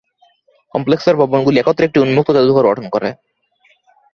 কমপ্লেক্সের ভবনগুলি একত্রে একটি উন্মুক্ত জাদুঘর গঠন করে।